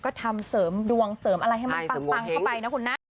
ก็ทำเสริมดวงเสริมอะไรให้มันปังเข้าไปนะคุณนะ